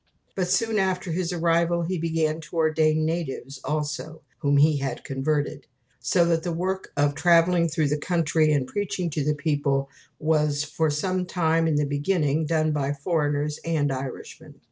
But soon after his arrival he began to ordain natives also, whom he had converted; so that the hard work of travelling through the country, and preaching to the people, was for some time in the beginning done by foreigners and Irishmen.